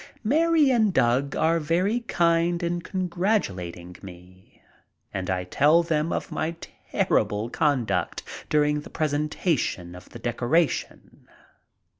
Mary and Doug are very kind in congratulating me, and I tell them of my terrible conduct diuing the presenta tion of the decoration.